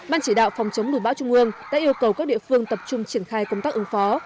ban chỉ đạo phòng chống đủ bão trung ương đã yêu cầu các địa phương tập trung triển khai công tác ứng phó